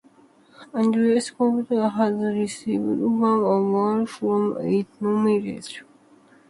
Andres Cepeda has received one award from eight nominations.